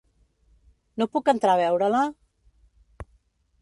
No puc entrar a veure-la?